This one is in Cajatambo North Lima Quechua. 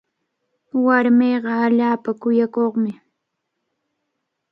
Warminqa allaapa kuyakuqmi.